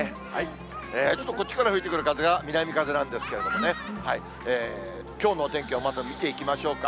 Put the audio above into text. ちょっとこっちから吹いてくる風が南風なんですけれどもね、きょうのお天気をまず見ていきましょうか。